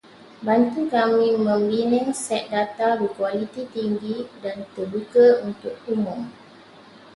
Bantu kami membina set data berkualiti tinggi dan terbuka untuk umum